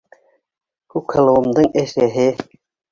Күкһылыуымдың әсәһе.